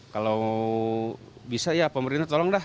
kalau bisa ya pemerintah tolong dah